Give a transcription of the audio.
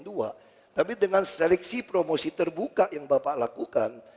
tapi dengan seleksi promosi terbuka yang bapak lakukan